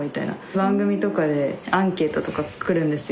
番組とかでアンケートとか来るんですよ